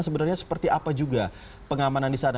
sebenarnya seperti apa juga pengamanan di sana